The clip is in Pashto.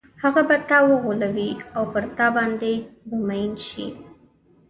هغه به تا وغولوي او پر تا باندې به مئین شي.